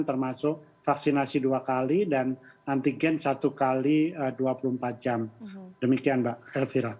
termasuk vaksinasi dua kali dan antigen satu x dua puluh empat jam demikian mbak elvira